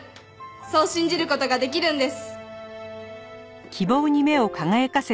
「そう信じる事ができるんです」